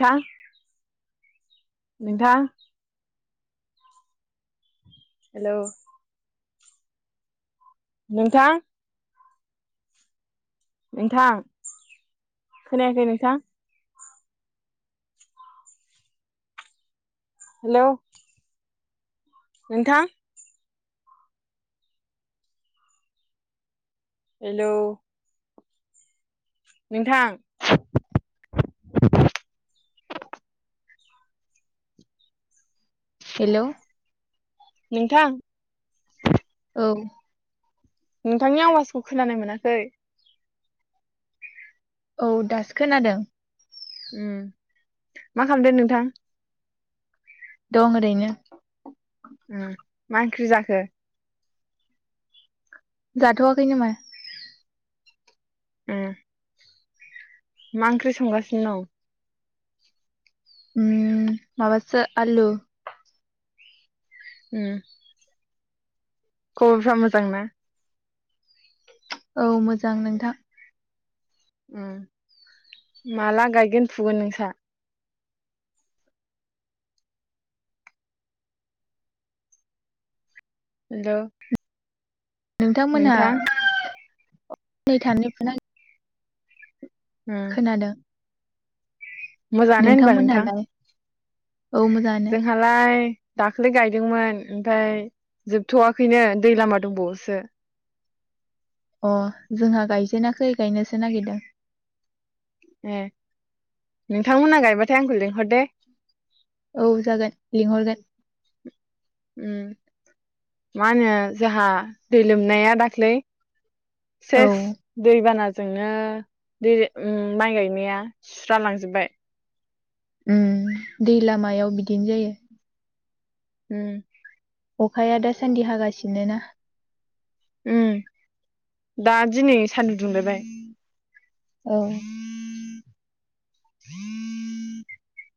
था नोंथा हेलौ नोंथां नोंथां खोनायाखै नोंथां? हेलौ नोंथां हेलौ नोंथां हेलौ नोंथां औ ओइ औ दासो खोनादों उम मा खालामदों नोंथां? दं ओरैनो । उम मा ओंख्रि जाखो? जाथ'वाखै नामा? उम, मा ओंख्रि संगासिनो दं? उम माबासो आलु। उम। खबरफ्रा मोजां ना? औ मोजां नोंथां। उम, माला गायगोन फुगोन नोंसा? हेल'। नोंथांमोनहा नै थांनि फुनो ना उम खोनादों। मोजाङानो होनबा नोंथां नोंथांमोनहालाय औ । मोजाङानो जोंहालाय दा दाख्लै गायदोंमोन ओमफ्राय जोबथ'वाखैनो दै लामा दंबावोसो। अ जोंहा गायजेनााखै गायनोसो नागिरदों। ए नोंथांमोना गायबाथाय आंखौ लिंहर दे। औ जागोन लिंहरगोन। उम मा होनो जोंहा दै लोमनाया दाख्लै औ सेस दैबाना जोंनो दै उम माइ गायनाया सुस्रा लांजोबबाय। उम दै लामायाव बिदिनो जायो। उम। अखाया दासान्दि हागासिनो ना? उम दा दिनै सानदुं दुंलायबाय। औ। [inaudible]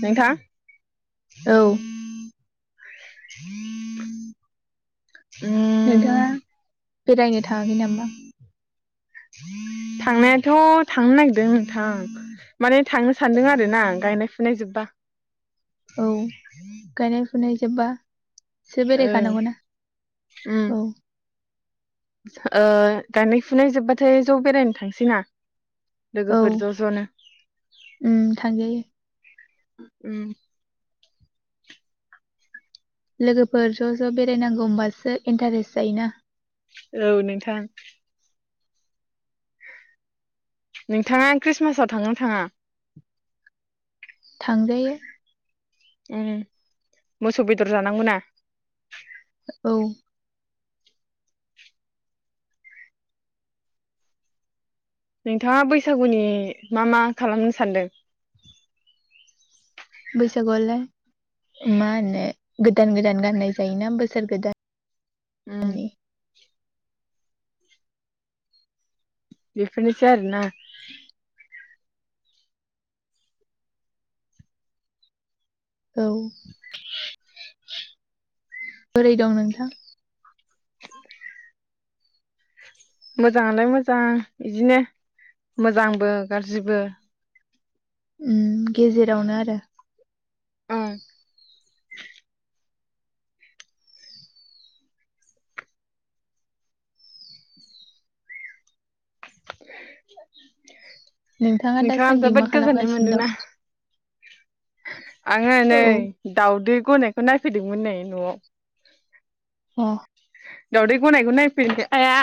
नोंथां औ [inaudible] [inaudible] [inaudible] उ [inaudible] नोंथाङा बेरायनो थाङाखै नामा? थांनायाथ' थांनो नागिरदों नोंथां माने थांनो सानदों आरो ना गायनाय फुनाय जोबबा। औ गायनाय फुनाय जोब्बा सो ओ बेरायखानांगौना उम औ। ओ गायनाय फुनाय जोबबाथाय ज' बेरायनो थांसै ना? लोगोफोर औ ज' ज'नो उम थांजायो। उम। लोगोफोर ज' ज' बेरायनांगौ होमबासो इन्टारेस्ट जायोना। औ नोंथां। नोंथाङा ख्रिस्टमासाव थांनो ना थाङा? थांजायो। उम मोसौ बेदर जानांगौ ना। औ नोंथाङा बैसागुनि मा मा खालामनो सानदों? बैसागुआवलाय मा होनो गोदान गोदान गाननाय जायोना बोसोर गोदान ओम बिफोरनोसै आरोना औ बोरै दं नोंथां? मोजाङालाय मोजां बिदिनो मोजांबो गाज्रिबो ओम गेजेरावनो आरो ओं नोंथाङा दासान्दि जोबोद मा गोजोननाय खालामगासिनो मोनदोंना दं? आङो नै औ दावदै गनायखौ नायफैदोंमोन नै न'आव औ दावदै गनायखौ नायफिनो आइया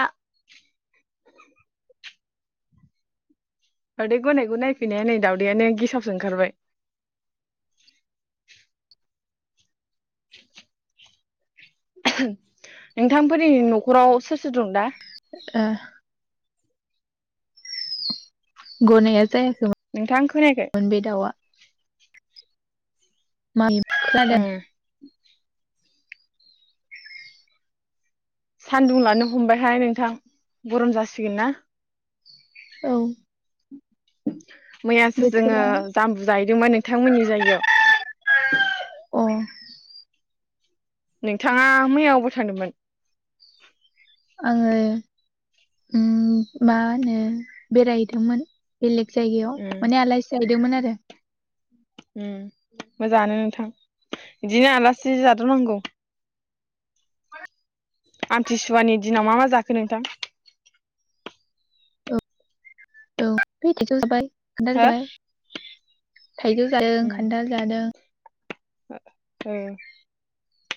दावदै गनायखौ नायफैनाया नै दाउदैआनो गेसावसो ओंखारबाय [inaudible] नोंथांफोरनि न'खराव सोर सोर दं दा? ओ गनाया जाया नोंथां खोनायाखै? [unintelligible] ओम सान्दुं लानो हमबायहाय नोंथां गरम जासिगोन ना? औ मैयासो जोङो बोथोरा जाम्बु जाहैदोंमोन नोंथांमोननि जायगायाव अ नोंथाङा मैया अबाव थांदोंमोन? आङो ओम मा होनो बेरायहदोंमोन बेलेग जायगायाव उम माने आलासि दोंमोन आरो। ओम मोजाङानो नोंथां बिदिनो आलासि जादाबनांगौ। आमथिसुवानि दिनाव मा मा जाखो नोंथां? औ-औ [unintelligible] खान्थाल हो जाबाय- थाइजौ जादों खान्थाल जादों। औ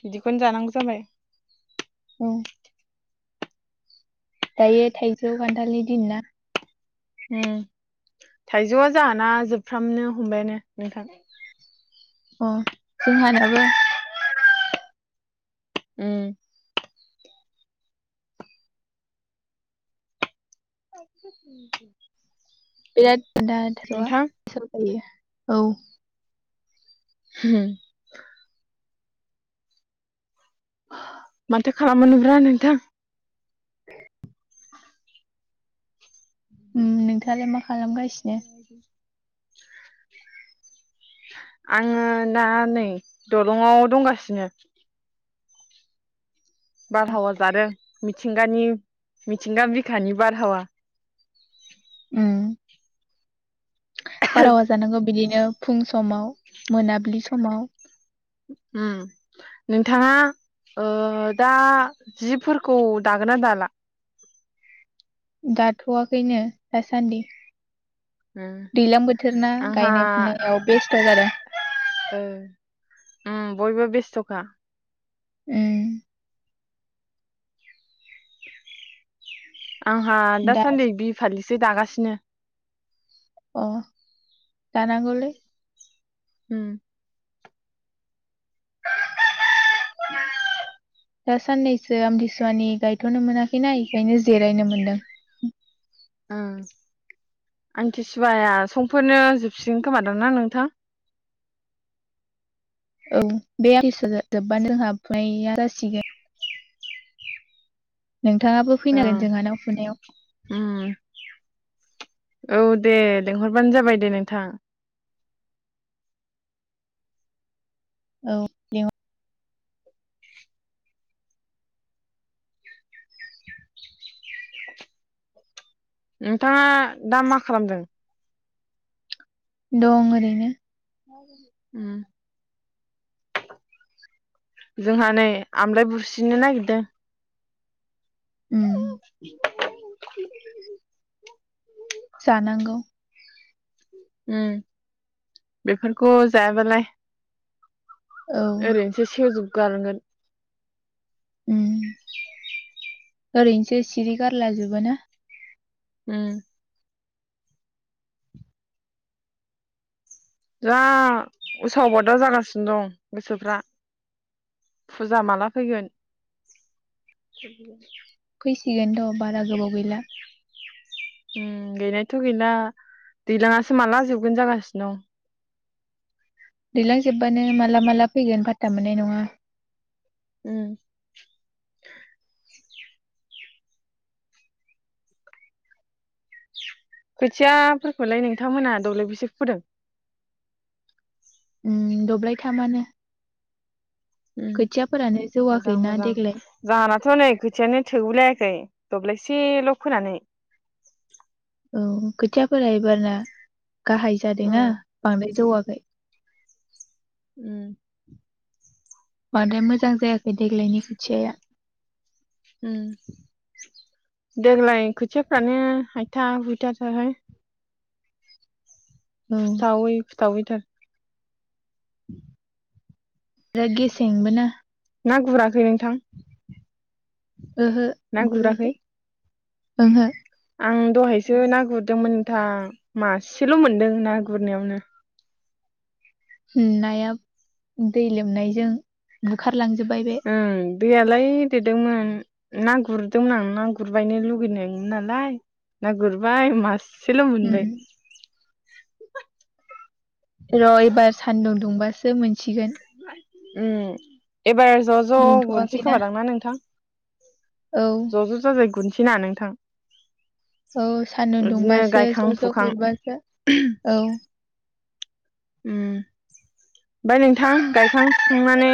बिदिखौनो जानांगौ जाबाय औ दायो थाइजौ खान्थालनि दिन ना ओम थाइजौआ जाहाना जोबफ्रामनो हमबायानो नोंथां अ जोंहानाबो उम [inaudible] बिरा नोंथां [unintelligible] औ होम माथो खालाम मोनोब्रा नोंथां औ नोंथां आलाय मा खालामगासिनो [inaudible] आङो दा नै दलंआव दंगासिनो बारहावा जादों मिथिंगानि मिथिंगा बिखानि बारहावा उम बारहावा जानांगौ बिदिनो फुं समाव मोनाबिलि समाव उम नोंथाङा दा जिफोरखौ दागोनना दाला दाथ'वाखैनो दासान्दि उम दैज्लां बोथोर ना आंहा गायनाय फुनायाव बेस्थ' जादों उम बयबो बेस्थ'खा उम [inaudible] आंहा दा दासान्दि बिहु फालि सो दागासिनो अ दानांगौलै हम दा साननैसो आमथिसुवानि गायथ'नो मोनाखैना बेखायनो जिरायनो मोनदों आमतिसुवाया समफोरनो जोबसिगोन खोमादां ना नोंथां औ बे आमथिसुवा जोब्बानो जोंहा फुनाया जासिगोन नोंथाङाबो फैनांगोन ओं जोंहानाव फुनायाव उम औ दे लिंहरबानो जाबाय दे नोंथां औ नोंथाङा दा मा खालामदों दं ओरैनो जोंहा नै आमलाय बुस्रिनो नागिरदों उम [inaudible] जानांगौ उम बेफोरखौ जायाबालाय औ ओरैनोसै सेवजो गारगोन ओरैनोसो सिरि गारला जोबोना। उम। जा उसाव बादाव जागासिनो दं गोसोफ्रा फुजा माला फैगोन। फैसिगोन र' बारा गोबाव गैला। उम गैनायथ' गैला दैलाङासो माला जोबगोन जागासिनो दं। दैलां जोबानो माला माला। फैगोन फाता मोननाय नङा। उम खोथियाफोरखौलाय नोंथांमोनहा दब्लाय बैसे फोदों। उम दब्लाय थामानो। मोजां मोजां देग्लाय जोहानाथ' नै खोथियानो थोगुलायाखै। दब्लायसेल' फोनानै। औ खोथियाफोरा एबार ना। गाहाय उम जादोंना बांद्राय जौवा [inaudible] उम बांद्राय मोजां जायाखै देग्लायनि खोथिया। देग्लाय खोथियाफ्रानो हायथा हायथा हुयथा थारहाय। औ [unintelligible] [unintelligible] [inaudible] जा गेसेंबोना। ना गुराखै नोंथां? ओहो गुराखै। ओहो ओं दहायसो ना गुरदोंमोन नोंथां मासेल' मोनदों ना गुरनायावनो। नाया दै लोमनायजों। ओंखारलांजोबबाय बे। ओं दैयालाय देरदोंमोन ना गुरदोंमोन आं ना गुरबायनो लुगैनाय नालाय ना गुरबाय मास सेल' मोनबाय। उम र' एबार सान्दुं दुंबा। सो मोन थिगोन। उम एबार ज' ज' गुरसै दुंथ'वाखैना खोमादांना नोंथां औ ज' ज' जाजाय गुरसै। [unintelligible] नोंथां। औ सान्दुं बिदिनो दुंबासो गायखां ज' ज' फुखां गुरबासो औ। उम ओमफ्राय नोंथां गायखां फुखांनानै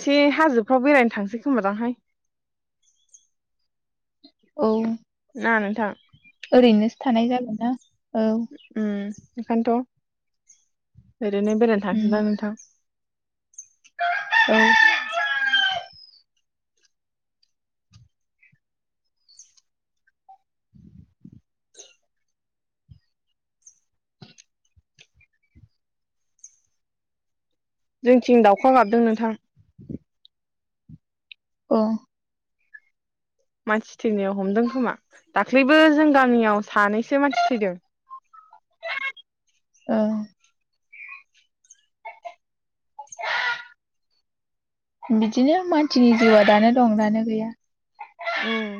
एसे हाजोफ्राव बेरायनो थांसै खोमादांहाय। औ। ना नोंथां। ओरैनोसो थानाय जागोन ना। औ उम। एखानथ'। ओरैनो बेरायनो उम थांसैदां नोंथां। औ [inaudible] [inaudible] जोंथिं दाउखा गाबदों नोंथां। अ। मानसि थैनायाव हमदों खोमा दाख्लैबो जों गामियाव सानैसो मानसि थैदों। ओ। बिदिनो मानसिनि जिउआ दानो दं दानो गैया। उम।